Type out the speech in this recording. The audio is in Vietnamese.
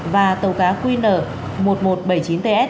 và tàu cá qn một nghìn một trăm bảy mươi chín ts